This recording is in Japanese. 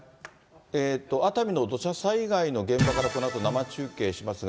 熱海の土砂災害の現場からこのあと生中継しますが。